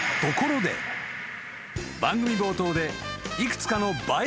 ［番組冒頭で幾つかの映え